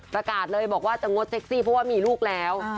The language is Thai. ประกาศเลยบอกว่าจะงดเซ็กซี่เพราะว่ามีลูกแล้ว